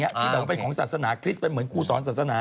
ที่เป็นของศาสนาคริสต์เป็นคู่สอนศาสนา